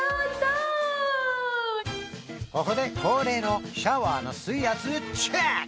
ここで恒例のシャワーの水圧チェック！